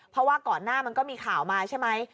เพราะว่าก่อนหน้ามันก็มีข่าวมาใช่ไหม